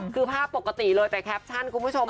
คือภาพปกติเลยแต่แคปชั่นคุณผู้ชม